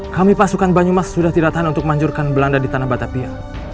kami pasukan banyu mas sudah tidak tahan untuk manjurkan belanda di tanah batapia